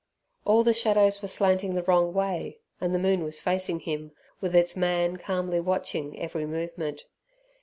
All the shadows were slanting the wrong way, and the moon was facing him, with its man calmly watching every movement.